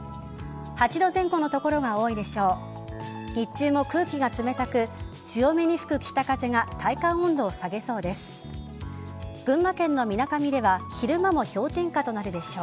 ８度前後の所が多いでしょう。